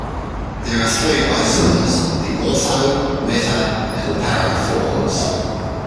There are three isomers: the "ortho-", "meta-", and "para-" forms.